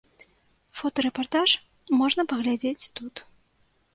Фотарэпартаж можна паглядзець тут.